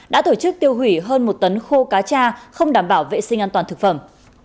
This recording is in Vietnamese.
đã tổ chức tiêu hủy hơn một tấn khô cá cha không đảm bảo vệ sinh an toàn thực phẩm